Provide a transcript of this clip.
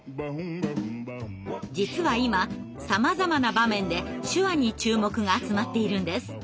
実は今さまざまな場面で手話に注目が集まっているんです。